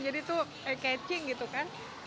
jadi itu catching gitu kan